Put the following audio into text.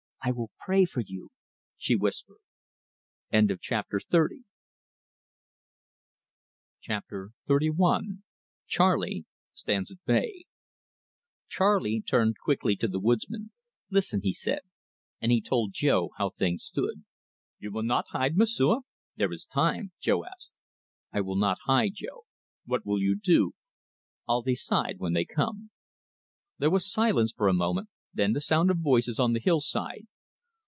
I will pray for you," she whispered. CHAPTER XXXI. CHARLEY STANDS AT BAY Charley turned quickly to the woodsman. "Listen," he said, and he told Jo how things stood. "You will not hide, M'sieu'? There is time," Jo asked. "I will not hide, Jo." "What will you do?" "I'll decide when they come." There was silence for a moment, then the sound of voices on the hill side.